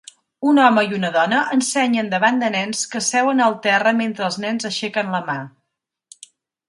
Un home i una dona ensenyen davant de nens que seuen al terra mentre els nens aixequen la mà